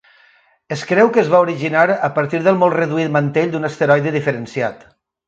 Es creu que es va originar a partir del molt reduït mantell d'un asteroide diferenciat.